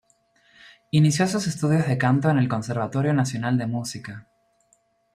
Inició sus estudios de canto en el Conservatorio Nacional de Música.